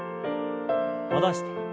戻して。